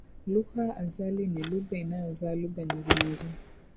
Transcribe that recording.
Lugha azali ni lugha inayozaa lugha nyinginezo.